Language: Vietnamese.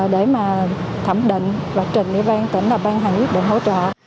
để mà thẩm định và trình ủy ban tỉnh là ban hành quyết định hỗ trợ